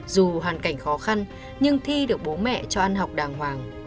dù hoàn cảnh khó khăn nhưng thi được bố mẹ cho ăn học đàng hoàng